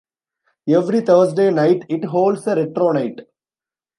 Every Thursday night, it holds a retro night.